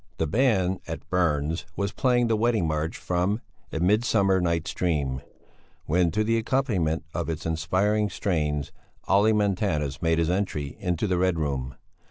The band at Berns' was playing the Wedding March from "A Midsummer Night's Dream," when to the accompaniment of its inspiriting strains Olle Montanus made his entry into the Red Room.